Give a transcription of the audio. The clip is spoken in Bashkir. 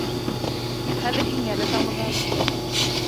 Хәҙер һиңә лә тамыҙам.